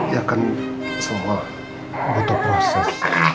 ya kan semua butuh proses